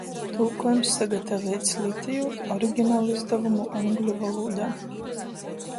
Tulkuojums sagataveits, lītojūt originalizdavumu angļu volūdā.